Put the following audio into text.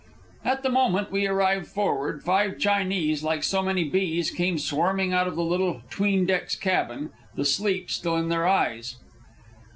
At the moment we arrived forward, five Chinese, like so many bees, came swarming out of the little 'tween decks cabin, the sleep still in their eyes.